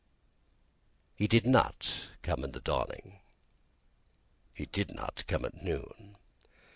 He did not come in the dawning; he did not come at noon.